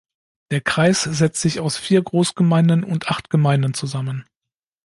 Der Kreis setzt sich aus vier Großgemeinden und acht Gemeinden zusammen.